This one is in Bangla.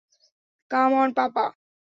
Come on papa.